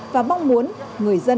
và mong muốn người dân